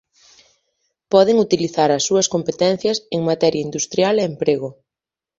Poden utilizar as súas competencias en materia industrial e emprego.